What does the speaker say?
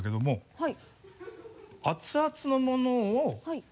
はい。